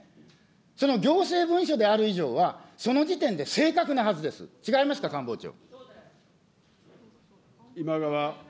その行政文書である以上は、その時点で正確なはずです、違いますか、官房長。